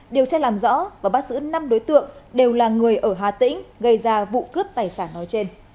điều tra làm rõ và bắt giữ năm đối tượng đều là người ở hà tĩnh gây ra vụ cướp tài sản nói trên